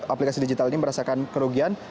aplikasi digital ini merasakan kerugian